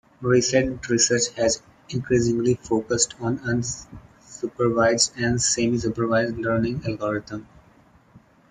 Recent research has increasingly focused on unsupervised and semi-supervised learning algorithms.